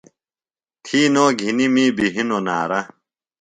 تھی نوۡ گِھنیۡ می بیۡ ہِنوۡ نعرہ۔